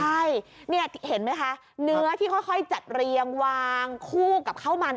ใช่เนี่ยเห็นไหมคะเนื้อที่ค่อยจัดเรียงวางคู่กับข้าวมัน